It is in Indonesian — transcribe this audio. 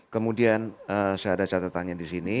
kemudian saya ada catatannya disini